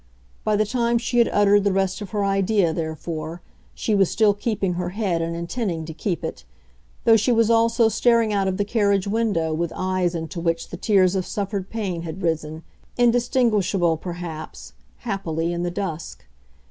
By the time she had uttered the rest of her idea, therefore, she was still keeping her head and intending to keep it; though she was also staring out of the carriage window with eyes into which the tears of suffered pain had risen, indistinguishable, perhaps, happily, in the dusk.